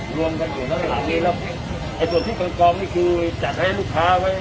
รวมกันอยู่ข้างหลังนี้แล้วไอ้ส่วนที่กองนี่คือจัดให้ลูกค้าไว้